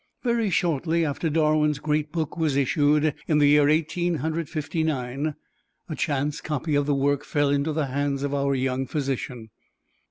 Very shortly after Darwin's great book was issued, in the year Eighteen Hundred Fifty nine, a chance copy of the work fell into the hands of our young physician.